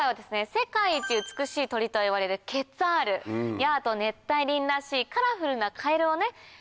世界一美しい鳥といわれるケツァールやあとは熱帯林らしいカラフルなカエルを見まして。